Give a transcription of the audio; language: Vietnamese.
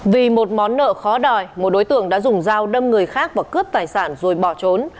vì một món nợ khó đòi một đối tượng đã dùng dao đâm người khác và cướp tài sản rồi bỏ trốn